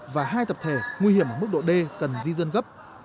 và hai tập thể nguy hiểm mức độ d cần di dân gấp